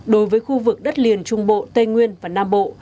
đối với khu vực đất liền trung bộ tây nguyên và nam bộ